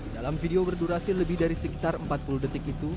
dalam video berdurasi lebih dari sekitar empat puluh detik itu